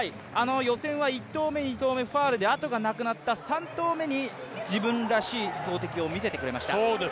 予選は１投目２投目ファウルであとがなくなった３投目に自分らしい投てきを見せてくれました。